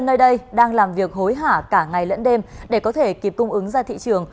nơi đây đang làm việc hối hả cả ngày lẫn đêm để có thể kịp cung ứng ra thị trường